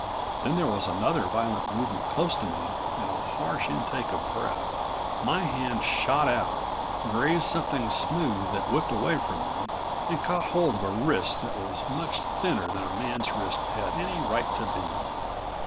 Then there was another violent movement close to me and a harsh intake of breath. My hand shot out, grazed something smooth that whipped away from me and caught hold of a wrist that was much thinner than a man's wrist had any right to be.